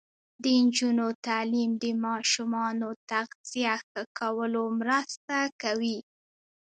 د نجونو تعلیم د ماشومانو تغذیه ښه کولو مرسته کوي.